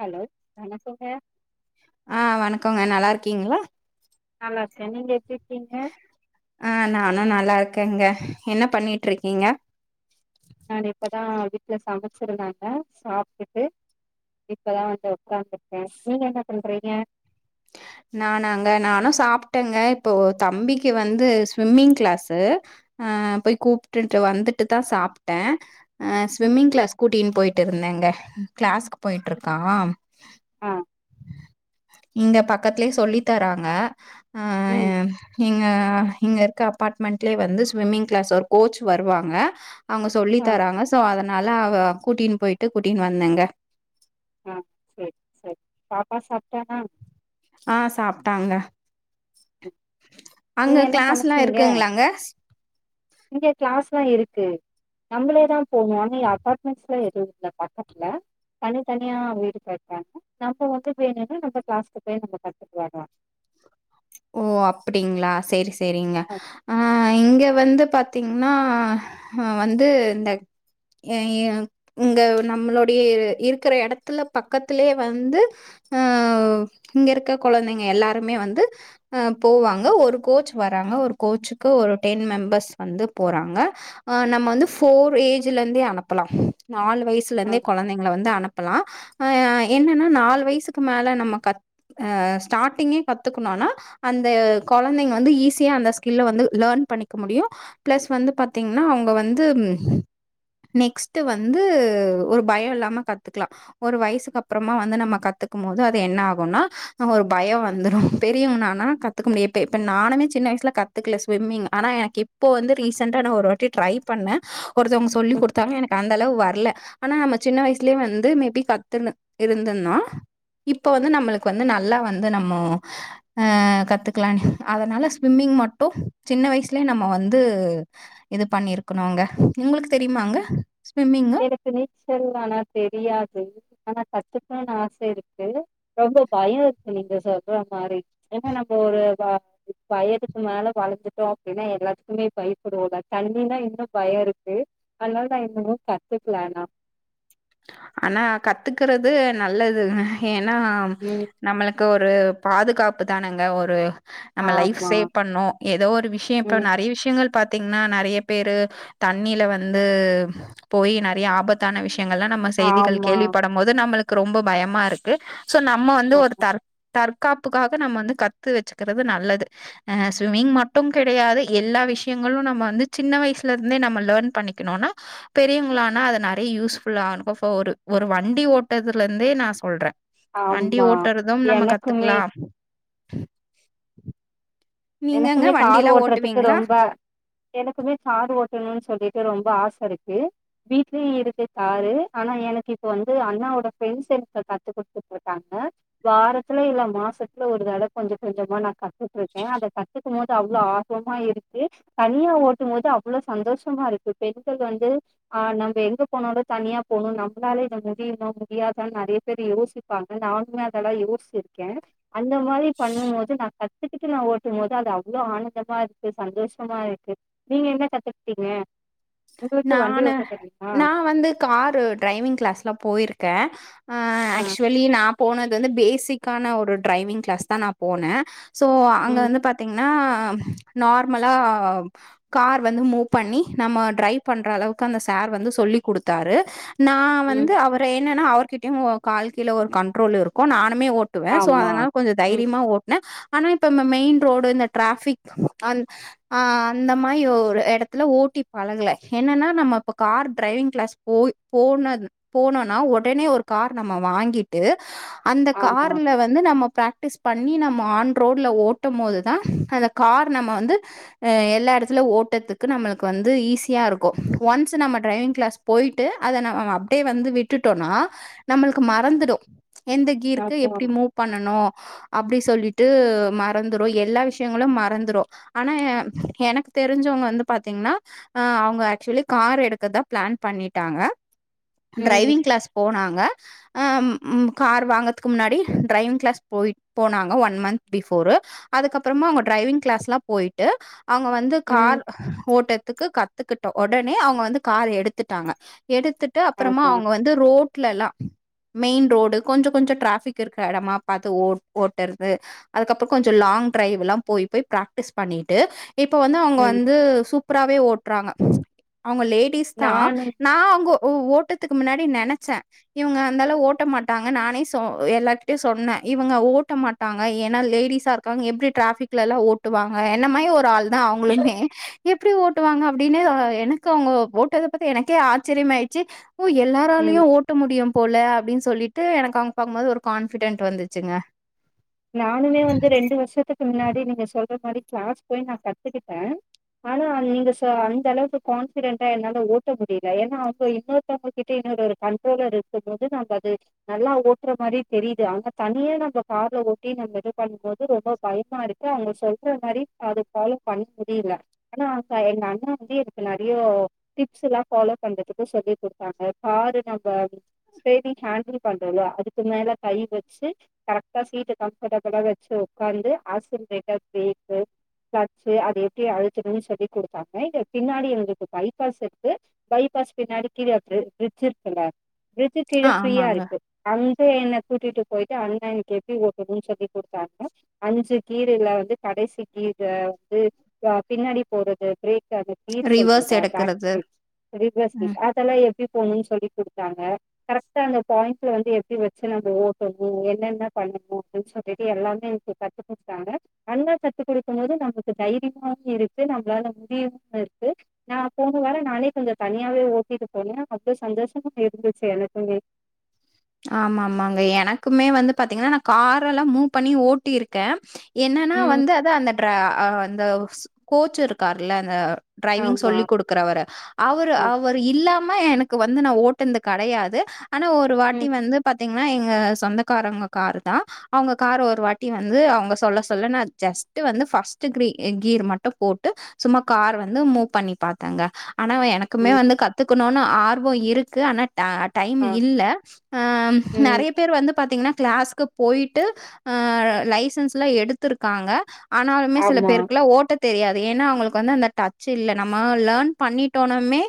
Hello வணக்கோங்க அ வணக்கோங்க நல்லாயிருக்கீங்களா நல்லா இருக்கே நீங்க எப்டி இருக்கீங்க ஆ நானு நல்ல இருக்கங்க என்ன பண்ணிட்டு இருக்கீங்க நானு இப்பதா வீட்டல சமச்சிருந்தாங்க சாப்ட்டுட்டு இப்பதா வந்து ஒக்காந்துருக்கே நீங்க என்ன பண்றீங்க. [inaudible] நானாங்க நானு சாப்பிட்டேங்க இப்போ தம்பிக்கு வந்து ஸ்விம்மிங் கிளாஸ்சு அ போய் கூப்பிட்டுட்டு வந்துட்டுதா சாப்ட்ட ஆ ம் ஸ்விம்மிங் கிளாஸ் கூட்டின்னு போயிட்டு இருந்தேங்க கிளாஸ்க்கு போயிட்டுருக்க ஆ இங்க பக்கத்தலயே சொல்லி தராங்க ஆ ம் இங்க இங்க இருக்க அபார்ட்மெண்ட்டலயே வந்து ஸ்விம்மிங் கிளாஸ் ஒரு கோச் வருவாங்க அவங்க சொல்லி ஆ தராங்க சோ அதனால அவ கூட்டின்னு போயிட்டு கூட்டின்னு வந்தேங்க ஆ சேரி சேரி பாப்பா சாப்ட்டானா ஆ சாப்பிட்டாங்க நீங்க அங்க என்ன கிளாஸ் எல்லா சமச்சீங்க இருக்குங்களாங்க இங்க கிளாஸ்லா இருக்கு. நம்மளேதா போணுனு ஆனா எ அபாட்மெண்ட்ஸ்ல எதுவு இல்ல பக்கத்துல. தனித்தனியா வீடு [unintelligible] நம்ம வந்து வேணுன்னா நம்ம கிளாஸ்க்கு போய் நம்ம கத்துட்டு வர்லா ஓ அப்டிங்களா சேரி சேரிங்க ஆ இங்க வந்து பாத் பாத்தீங்கன்னா வந்து இந்த ஏ ஏ இங்க நம்மளுோடைய இருக்குற எடத்துல பக்கத்துலயே வந்து ஆ இங்க இருக்க கொழந்தைங்க எல்லாருமே வந்து ஆ போவாங்க ஒரு கோச் வராங்க ஒரு கோச்சுக்கு ஒரு டென் மெம்பர்ஸ் வந்து போறாங்க ஆ நம்ம வந்து போர் ஏஜ்ல இருந்தே அனுப்பலா நாலு வயசுல ஆ இருந்தே கொழந்தைங்கல வந்து அனுப் லா ஆ என்னன்னா நாலு வயசுக்கு மேல நம்ம கத் அ ஸ்டார்ட்டிங்கே கத்துக்குணுனா அந்த கொழந்தைங்க வந்து ஈஸியா அந்த ஸ்கில்ல வந்து லேர்ன் பண்ணிக்க முடியு பிளஸ் வந்து பாத்தீங்கன்னா அவங்க வந்து நெக்ஸ்ட் வந்து ஒரு பயோ இல்லாம கத்துக்கலா ஒரு வயசுக்கு அப்றமா வந்து நம்ம கத்துக்கும் போது அது என்ன ஆகுன்னா ஒரு பயம் வந்துரு பெரியவனான [unintelligible] இப்ப நானுமே சின்ன வயசில கத்துக்கல ஸ்ம்மிங் ஆனா எனக்கு இப்போ வந்து ரீசெண்டா நா ஒரு வாட்டி டிரை பண்ண ஒருத்தவங்க சொல்லி ம் குடுத்தாங்க எனக்கு அந்த அளவு வர்ல ஆனா நம்ம சின்ன வயசுலேயே வந்து மேபி கத்துன்னு இருந்தனா இப்ப வந்து நம்மளுக்கு வந்து நல்லா வந்து நம்மோ ஆ கத்துக்கலானு அதுனால ஸ்விம்மிங் மட்டு சின்ன வயசுலயே நம்ம வந்து இது பண்ணிருக்கணுங்க உங்களுக்கு தெரியுமாங்க ஸ்விம்மிங்கு எனக்கு நீச்சல் ஆனா தெரியாது ஆனா கத்துக்கணுனு ஆச இருக்கு ரொம்ப பயம் இருக்கு நீங்க சொல்ற மாரி ஏனா நம்ம ஒரு வயதுக்கு மேல வளந்துட்டோ அப்டின்னா எல்லாத்துக்குமே பயப்படுவோல தண்ணின்னா இன்னு பயோ இருக்கு அதனால நா இன்னமு கத்துக்கல ஆனா ஆனா கத்துக்குறது நல்லதுங்க ஏனா ம் நம்மளுக்கு ஒரு பாதுகாப்பு தானங்க ஒரு நம்ம லைஃப் ஆமா சேவ் பண்ணு ஏதோ ஒரு விஷய இப்ப ம் நெறைய விஷயங்கள் பாத்தீங்கன்னா நெறைய பேரு தண்ணில வந்து போயி நெறைய ஆபத்தான விஷயங்கள்லா நம்ம செய்திகள் ஆமா கேள்விப்படும் போது நம்மளுக்கு ரொம்ப பயமா இருக்கு சோ நம்ம வந்து ஒரு தர தற்காப்புக்காக நம்ம வந்து கத்து வெச்சுக்கிறது நல்லது ஆ ஸ்விம்மிங் மட்டு கெடையாது எல்லா விஷயங்களு நம்ம வந்து சின்ன வயசுல இருந்தே நம்ம லேர்ன் பண்ணிக்கணுன்னா பெரியவங்களானா அத நெறைய யூஸ் ஃபுல்லானுக்கு இப்ப ஒரு ஒரு வண்டி ஓட்டதுலந்தே நா சொல்ற வண்டி ஆமா ஓட்டறதும் நம்ம எனக்குமே கத்துக்லா நீங்கங்க எனக்குமே கார் வண்டிலாம் ஓட்றதுக்கு ஓட்டுவீங்களா? ரொம்ப எனக்குமே கார் ஓட்டணுனு சொல்லிட்டு ரொம்ப ஆச இருக்கு வீட்லே இருக்கு காரு ஆனா எனக்கு இப்ப வந்து அண்ணாவோட ஃபிரெண்ஸ் எனக்கு கத்து குடுத்துட்ருக்காங்க வாரத்துல இல்ல மாசத்துல ஒரு தடவ கொஞ்ச கொஞ்சமா நா கத்துட்ருக்கே அத கத்துக்குமோது அவ்ளோ ஆர்வமா இருக்கு தனியா ஓட்டுமோது அவுளோ சந்தோஷமா இருக்கு பெண்கள் வந்து ஆ நம்ம எங்க போனாலு தனியா போனு நம்முளால இத முடியுமா முடியாதான் நெறைய பேரு யோசி நானுமே அதெல்லா யோச்சிருக்கே அந்த மாரி பண்ணு போது நா கத்துக்கிட்டு நா ஒட் ட்டுமோது அது அவுளோ ஆனந்தமா இருக்கு சந்தோஷமா இருக்கு நீங்க எங்க கத்துக்கிட்டீங்க உங்களுக்கு வண்டி நானு ஓட்ட தெரியுமா நா வந்து காரு டிரரைவிங் கிளாஸ்லா போய்ருக்கே அ ஆ ஆக்ச்வ லி நா போனது வந்து பேசிக்கான ஒரு டிரைவிங் கிளாஸ் தா நா போன சோ அங்க ம் வந்து பாத் திங்னா நார்மலா கார் வந்து மூ்வ் பண்ணி நம்ம டிரைவ் பண்ற அளவுக்கு அந்த சார் வந்து சொல்லி் குடுத்தாரு நா வந்து ம் அவர் என்னனா அவர்கிட்டயு கால் கீழ ஒரு கண்ட்ரோல் இருக்கு நானுமே ஒட் டுவே சோ ஆமா அதனால கொஞ்ச ம் தைரிமா ஓட்ன ஆனா இப்ப மெ மெயின் ரோடு இந்த டிராபிக் அந் ஆ அந்த மாதிரி ஒர் எடத்துல ஓட்டி பழகுல என்னன்னா நம்ம இப்ப கார் டிரைவிங் கிளாஸ் போய் போன போனோனா ஒடனே ஒரு கார் நம்ம வாங்கிட்டு அந்த ஆமா கார்ல வ வந்து நம்ம பிராக்டிஸ் பண்ணி நம்ம ஆன் ரோட்ல ஓட்டுமோதுதான் அந்த கார் நம்ம வந்து அ எல்லா எடத்துலு ஓட்டத்துக்கு நம்மளுக்கு வந்து ஈஸி சியா இருக்கு ஒன்ஸு நம்ம டிரைவிங் கிளாஸ் போய்ட்டு அத நம் அப்டியே வந்து விட்டுட்டோனா நம்மளுக்கு மறந்துடு எந்த கீர்க்கு ஆமா எப்டி மூவ் பண்ணனு அப்டி சொல்லிட்டு மறந்துரு எல்லா விஷ்யங்களு மறந்துரு ஆனா எனக்கு தெரிஞ்சவ்ங்க வந்து பாத்தீங்னா அ அவுங்க ஆக்சுலி கார் எடுக்கதா பிளான் பண்ணிட்டாங்க ம் டிரைவிங் கிளாஸ் போனாங்க ஆம் ம் கார் வாங்கற்துக்கு முன்னாடி டிரைவிங் கிளாஸ் போயி போனாங்க ஒன் மந்த் பிஃபோரு அதுக்கப்புறமா அவுங்க ட்ரைவிங் கிளாஸ் லா போய்ட்டு அவுங்க வந்து ம் கார் ஓட்டத்துக்கு கத் கத்துக்கிட்ட ஒடனே அவங்க வந்து கார் எடுத்துட்டாங்க எடுத்துட்டு அப்புறமா ஆமா அவ்ங்க வ வந்து ரோட்லலா மெயின் ரோடு கொஞ்சோ கொஞ்சோ டிராஃபிக் இருக்க எடமா பாத்து ஓட் ஓட்டற்து அதுக்கப்புற கொஞ்ச லாங் டிரைவ்லா போய் போய் ப்ராக்ட்டிஸ் பண்ணிட்டு இப்ப வந்து அவ்ங்க ம் வந்து சூப்புராவே ஓட்றாங்க அவ்ங்க லே ஃபீஸ் நானு நா அங்க ஓட்டத்துக்கு முன்னாடி நெனச்ச இவுங்க அந்தாலு ஓட்ட மாட்டாங்க நானே சொ எல்லார்கிட்டயு சொன்னே இவுங்க ஓட்ட மாட் டாங்க ஏனா லேடிஸா இருக்காங்க எப்டி டிராபிக்ல எல்லா ஓட்டுவாங்க என்ன மாரி ஒரு ஆள் னா அவுங்குளுமே எப்டி ஓட்டுவாங்க அப்டினு அ எனக்கு அவுங்க போட்டத பத்தி எனக்கே ஆச்சிரிய மாய்ட்ச்சி ஓ எல்லாராலயு ம் ஓட்ட முடியும் போல அப்டின் சொல்லிட்டு எனக்கு அங்க பாக்குமோது ஒரு கான்ஃபிடென்ட் வந்துச்சுங்க நானுமே வந்து ரெண்டு வருஷத்துக்கு முன்னாடி நீங்க சொல்ற மாரி கிளாஸ் போய் நா கத்துக்கிட்ட ஆனா நீங்க ச அந்த அளவுக்கு கான்பிடன்டா என்னால ஓட்ட முடியில ஏனா அவுங்க இன்னொரு நம்மகிட்ட இன்னொரு ஒரு கண்ட்ரோலா இருக்குமோது நம்ம அது நல்லா ஓட்ற மாரி தெரியிது ஆனா தனிய நம்ம கார்ல ஒட் டி நம்ம இது பண்ணு போது ரொம்ப பயமா இருக்கு அவுங்க சொல்ற மாரி அத ஃபாலோ பண்ண முடியில ஆனா எங்க அண்ணா வந்து எனக்கு நெறைய டிப்ஸ் எல்லா ஃபாலோ பண்றதுக்கு சொல்லி குடுத்தாங்க காரு நம்ப [unintelligible] ஹேண்டில் பண்றோல்யா அதுக்கு மேல கை வெச்சு கரெக்ட்டா சீட்டு கம்ஃபர்டபிளா வெச்சு உக்காந்து ஆசிலேட்டர் [unintelligible] கிளச்சு அத எப்டி அழுத்தணுன்னு சொல்லி குடுத்தாங்க இங்க பின்னாடி எங்களுக்கு பைபாஸ் இருக்கு பைபாஸ் பின்னாடி கீழா பி பிரிட்ஜ் இருக்குல்ல பிரிட்ஜ் கீழ ஆ ஃப்ரீயா ஆமாங்க. இருக்கு அங்க என்ன கூட்டிட்டு போயிட்டு அண்ணே எனக்கு எப்டி ஓட்னுன் சொல்லி குடுத்தாங்க அஞ்சு கீர்ல வந்து கடைசி கீர வந்து பின்னாடி போறது பிரேக் அது கீர் ரிவர்ஸ் சொல்றதா ஃபேக் எடுக்குறது. கீர் ரிவர்ஸ் கீர் அதெல்லா எப்டி போட்னுனு சொல்லி குடுத்தாங்க கரெக்டா அந்த பாயிண்ட்ல வந்து எப்டி வெச்சு நம்ப ஓட்டணு என்னென்ன பண்ணணு அப்டின்னு சொல்லிட்டு எல்லாமே எனக்கு கத்து குடுத்தாங்க அண்ணே கத்து குடுக்கும் போது நமக்கு தைரியமாவு இருக்கு நம்ளால முடியும்னு இருக்கு நா போன வாரோ நானே கொஞ்சோ தனியாவே ஓட்டிட்டு போனே அவ்ளோ சந்தோஷமா இருந்துச்சு எனக்குமே ஆமா ஆமாங்க எனக்குமே வந்து பாத்தீங்கனா நா கார் எல்லா மூ பண்ணி ஓட்டியிருக்கே என்னனா ம் வந்து அத அந்த டிரா அந்த கோச் இருக்கார்ல அந்த டிரைவிங் ஆமா சொல்லி குடு க்றவரு அவரு ஆம் அவரு இல்லாம எனக்கு வந்து நா ஓட்டுந்து கெடையாது ஆனா ஒரு ட்டி ம் வந்து பாத்தீங்கன்னா எங்க சொந்தக்காரங்க காரு தா அவங்க காரு ஒரு வாட்டி வந்து அவங்க சொல்ல சொல்ல நா ஜஸ்ட் வந்து ஃபஸ்ட்டு கிரீ கீர் மட்டு போட்டு சும்மா கார் வந்து மூ பண்ணி பாத்தங்க ஆனா எனக் குமே ம் வந்து கத்துக்கணுனு ஆர்வோ இருக்கு ஆனா ட டைமு ஆ இல்ல அம் ம் நறைய பேர் வந்து பாத்தீங்ன்னா கிளாஸ்க்கு போயிட்டு அ லைசன்ஸ் லா எடுத்துருக்காங்க ஆனாலுமே சில ஆமா பேருக்குலா ஓட்டத் தெரியாது ஏனா அவுங்களுக்கு வந்து அந்த டச் இல்ல நம்ம லேர்ன் பண்ணிட்டோனுமே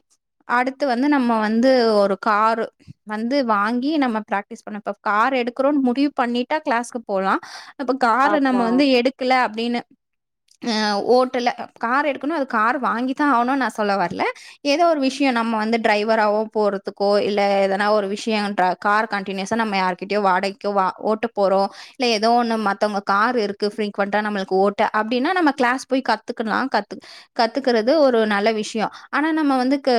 அடுத்து வந்து நம்மோ வந்து ஒரு காரு வந்து வாங் கி நம்ம பிராக்டிஸ் பண்ண இப்ப கார் எடுக்றோன் முடிவு பண்ணிட்டா கிளாஸ்க்கு போலா அப்ப கார நம்ம ஆமா வந்து எடுக்குல அப்டின்னு அ ஓட்டல கார் எடுக்கணு அது கார் வாங்கி தா ஆவுணு நா சொல்ல வரல ஏதோ ஒரு விஷ்யோ நம்ம வந்து டிரைவராவோ போறதுக்கோ இல்ல எதனா ஒரு விஷ்யோ ட்ரா கார் கண்ட்டினியூஸா நம்ம யாருகிட்டயோ வாடக்யோ வா ஓட்ட போறோ இல்ல ஏதோ ஒன்னு மத்தவங்க காரு இருக்கு ஃப்ரீக்குவட்டா நம்மளுக்கு ஓட்ட அப்டின்னா நம்ம கிளாஸ் போய் கத்துக்கலா கத்துக் கத்துக்குறது ஒரு நல்ல விஷ்யோ ஆனா நம்ம வந்து க்கு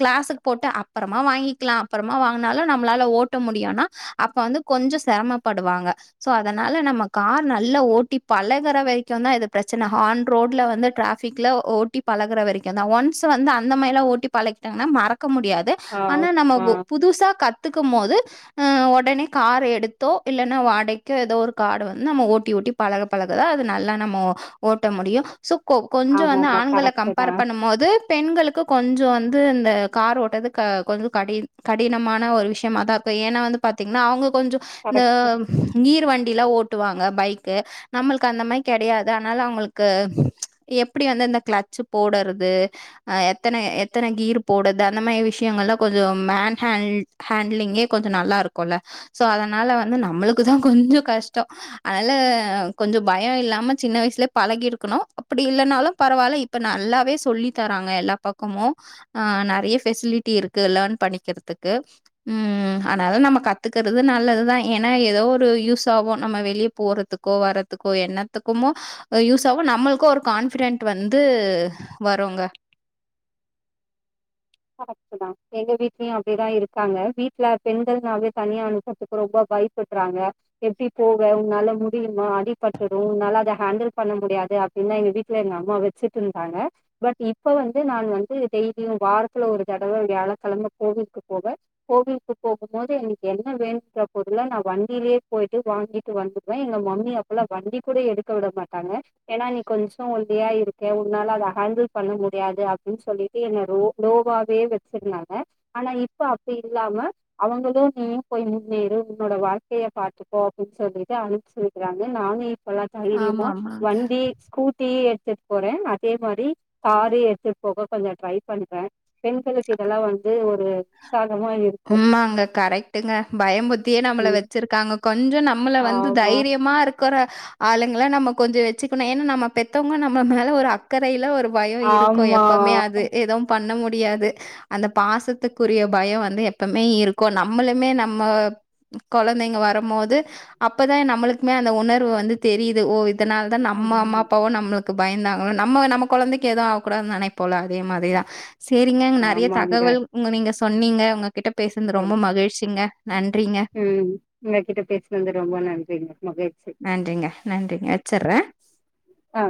கிளாஸுக்கு போட்டு அப்பறமா வாங்கிக்லா அப்பறமா வாங் னாலு நம்ளால ஓட்ட முடியுனா அப்ப வந்து கொஞ்சோ செரமப்படுவாங்க சோ அதனால நம்ம கார் நல்லா ஓட்டி பழகற வரைக்கு தா இது பிரச்சன ஹார்ன் ரோட்ல வந்து ட்ரா ஃபிக்ல ஓட்டி பழகுற வரைக்கு தா ஒன்ஸ் வந்து அந்த மாரிலா ஓட்டி பழகிட்டாங்கன்னா மறக்க முடியாது ஆனா நம்ம ஆமா ஒ புதுசா கத்துக்கோமோது அ ஒடனே காரு எடுத்தோ இல்லன்னா வாடக்கி எதோ ஒரு காடு வந்து நம்ம ஓட்டி ஓட்டி பழக பழக தா அது நல்லா நம்மோ ஓட்ட முடியு சோ கொ கொஞ்சோ வந்து ஆமாமா ஆண்கள கரெக்ட்டு கம்பேரு தான் பண்ணுமோது பெண்களுக்கு கொஞ்சோ வந்து இந்த கார் ஓட்டது க கொஞ்ச கடி கடினமா ன ஒரு விஷயமா தா இருக்கு ஏன்னா வந்து பாத்தீங்ன்னா அவுங்க கொஞ்சோ இந்த கரெக்ட்டு ஹீர் வண்டிலா ஓட்டுவாங்க பைக்கு நம்மளுக்கு அந்த மாரி கெடையாது அனால அவுங்களுக்கு எப்டி வந்து இந்த கிளட்ச்சு போடுறது அ எத்தன எத்தன கீர் போடது அந்த மாரி விஷ்யங்கள்லா கொஞ்சோ மேன் ஹேண் ஹேண்ட்லிங்கே கொஞ்சோ நல்லாருக்குல சோ அதனால வந்து நம்ளுக்கு தா கொஞ்சோ கஷ்டோ அனால கொஞ்சோ பயோ இல்லாம சின்ன வயசுலே பழகி இருக்கணு அப்புடி இல்லனாலு பரவால இ ப்ப நல்லாவே சொல்லி தராங்க எல்லா பக்கமு ஆ நறைய பெஃசிலிட்டி இருக்கு லேர்ன் பண்ணிக்கிறதுக்கு ம் ஆனாலு நம்ம கத்துக்கிறது நல்லது தா ஏன்னா ஏதோ ஒரு யூஸ் ஆகு நம்ம வெளிய போறதுக்கோ வரது த்துக்கோ என்னத்துக்குமோ யூஸ் ஆவு நம்மளுக்கு ஒரு கான்பிடென்ட் வந்து வருங்க கரெக்ட் தா எங்க வீட்லயு அப்டிதா இருக்காங்க வீட்ல பெண்கள்னாவே தனியா அனுப்றதுக்கு ரொம்ப பய் பட்றாங்க எப்டி போக உன்னால முடியுமா அடிபட்டுடும் உன்னால அத ஹேண்டில் பண்ண முடியாது அப் ஏன்னா எங்க வீட்ல எங்க அம்மா வச்சுட்டு இருந்தாங்க பட் இப்ப வந்து நாங்க வந்து டெய்லியு வாரத் ள ஒரு தடவ வியாழ கெளம கோவிலுக்கு போவ கோவிலுக்கு போகும்போது எனக்கு என்ன வேணுன்ற பொருள நா வண்டிலயே போயிட்டு வாங்கிட்டு வந்து அத்தா எங்க மம்மி அப்பல்லா வண்டி கூட எடுக்க விட மாட்டாங்க ஏன்னா நீ கொஞ்சோ ஒல்லியா இருக்க உன்னால அத ஹேண்டில் பண்ண முடியாது அப்டின்னு சொல்லிட்டு என்ன ரோ லோவாவே வச்சிருந்தாங்க ஆனா இப்ப அப்டி இல்லாம அவங்களு நீயே போயி நீ உன்னோட வாழ்கைய பாத்துக்கோ அப்டின் சொல்லிட்டு அனுப்ச்சி வெக்குறாங்க நானு ப்பல்லா தைரியமா ஆமாமாங்க. வண்டி ஸ்கூட்டி எடுத்துட்டு போறே அதே மாறி காரு எடுத்துட்டு போக கொஞ்சோ ட்ரை பண்றே பெண்களுக்கு இதெல்லா வந்து ஒரு விசாகமா இருக் ம்மாங்க கரெக்ட்டுங்க பயம்புருத்தியே நம்மள ம் வச்சிருக்காங்க கொஞ்சோ நம் நம்மள வந்து ஆமா தைரியமா இருக் க்குற ஆளுங்கள நம்ம கொஞ்சோ வச்சுக்கணு ஏன்னா நம்ம பெத்தவங்க நம்ம மேல ஒரு அக் க்கரையில ஒரு பயோ இருக்கும் ஆமா எப்பபுமே அது எதும் பண்ண முடியாது அந்த பாசத்துக்குரிய பய வந்து எப் எப்பமே இருக்கும் நம்மளுமே நம்ம கொழந்தைங்க வரம் போது அப்பதா நம்மளுக்குமே அந்த உணர்வு வந்து தெரியுது ஓ இதனா அத்தா நம்ம அம்மா அப்பாவோ நம்மளு பயந்தாங்கணு நம்ம நம்ம கொழந்தைக்கு எதும் ஆக கூடாது நெனைப்போல்ல அதே மாதிரிதா சேரிங்க நறைய தகவல் ஆமாங்க ஒங்க நீங்க சொன்னீங்க உங்க கிட்ட பேசுன ம் உங்க கிட்ட பேசினது ரொம்ப நன்றிங்க மகிழ்ச்சி நன்றிங்க நன்றிங்க வச்சட்றே அ